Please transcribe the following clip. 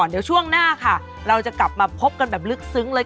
เดี๋ยวช่วงหน้าค่ะเราจะกลับมาพบกันแบบลึกซึ้งเลย